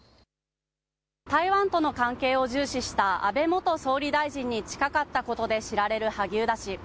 台湾との関係を重視した安倍元総理大臣に近かったことで知られる萩生田氏。